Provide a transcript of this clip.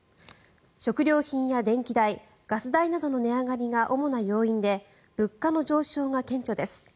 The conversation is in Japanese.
食料品や電気代、ガス代などの値上がりが主な要因で物価の上昇が顕著です。